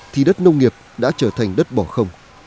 thì đất nông nghiệp đã trở thành đất bỏ không